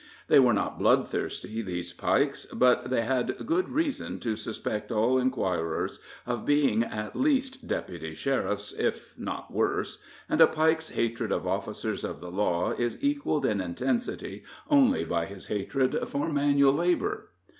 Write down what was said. They were not bloodthirsty, these Pikes, but they had good reason to suspect all inquirers of being at least deputy sheriffs, if not worse; and a Pike's hatred of officers of the law is equaled in intensity only by his hatred for manual labor.